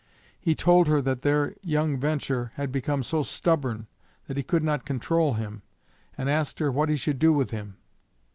He told her that their young VENTURE had become so stubborn that he could not controul him, and asked her what he should do with him.